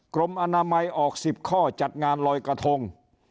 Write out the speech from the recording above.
กรมอนามัยออก๑๐ข้อจัดงานลอยกระทง